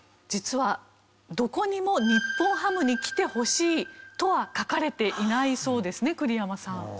実はどこにも「日本ハムに来てほしい」とは書かれていないそうですね栗山さん。